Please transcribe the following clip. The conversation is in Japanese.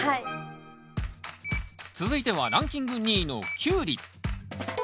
続いてはランキング２位のキュウリ。